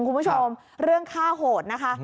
คุณผู้ชมเรื่องฆ่าโหดนะคะ